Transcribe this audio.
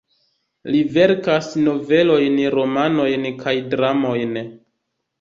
Li verkas novelojn, romanojn kaj dramojn.